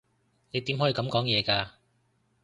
你點可以噉講嘢㗎？